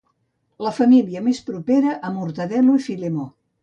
La familiar més propera a Mortadel·lo i Filemó.